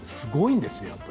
夜、すごいんですよ。